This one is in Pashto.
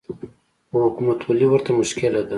خو حکومتولي ورته مشکله ده